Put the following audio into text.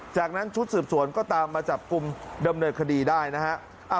จากนั้นชุดสืบสวนก็ตามมาจับกลุ่มดำเนินคดีได้นะฮะ